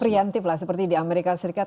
orientif lah seperti di amerika serikat